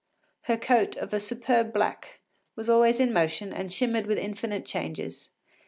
Her coat, of a superb black, was always in motion and shimmered with infinite changes.